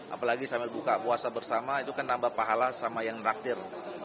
apalagi sambil buka puasa bersama itu kan nambah pahala sama yang raktir